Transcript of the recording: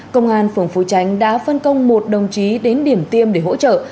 công an phường phú tránh đã phân công một đồng chí đến điểm tiêm để hỗ trợ